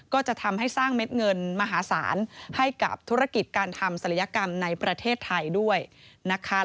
ก็จะทำให้สร้างเม็ดเงินมหาศาลให้กับธุรกิจการทำศัลยกรรมในประเทศไทยด้วยนะคะ